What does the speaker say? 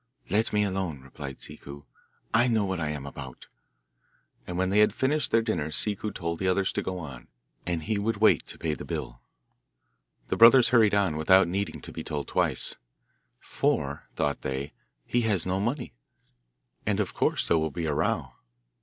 'Let me alone,' replied Ciccu; 'I know what I am about.' And when they had finished their dinner Ciccu told the others to go on, and he would wait to pay the bill. The brothers hurried on, without needing to be told twice, 'for,' thought they, 'he has no money, and of course there will be a row.